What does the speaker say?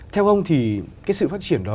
theo ông thì cái sự phát triển đó